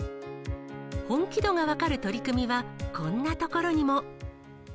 本気度が分かる取り組みは、こんなところにも。